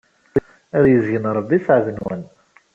Ad izeyyen Ṛebbi sseɛd-nwen.